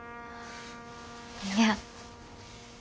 いや。